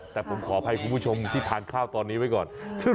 แต่ผมขออภัยคุณผู้ชมที่ทานข้าวตอนนี้ไว้ก่อน